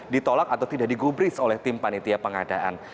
ditolak atau tidak digubris oleh tim panitia pengadaan